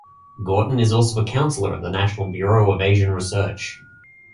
Gorton is also a Counselor at the National Bureau of Asian Research.